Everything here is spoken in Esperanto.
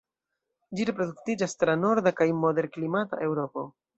Ĝi reproduktiĝas tra norda kaj moderklimata Eŭropo.